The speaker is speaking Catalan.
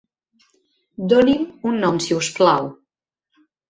Doni'm un nom si us plau.